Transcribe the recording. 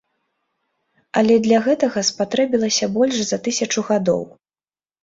Але для гэтага спатрэбілася больш за тысячу гадоў.